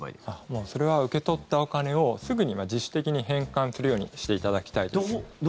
もうそれは受け取ったお金をすぐに自主的に返還するようにしていただきたいです。